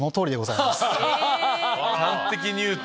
端的にいうと。